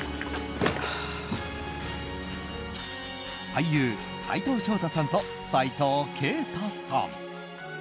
俳優・斉藤祥太さんと斉藤慶太さん。